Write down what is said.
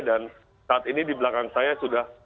dan saat ini di belakang saya sudah